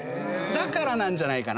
だからなんじゃないかなって。